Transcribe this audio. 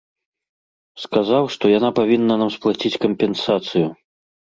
Сказаў, што яна павінна нам сплаціць кампенсацыю.